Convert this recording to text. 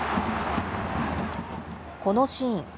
このシーン。